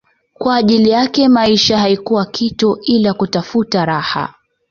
kwa ajili yake maisha haikuwa kitu ila kutafuta raha